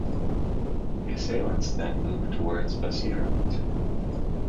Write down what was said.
The assailants then moved towards Basirhat.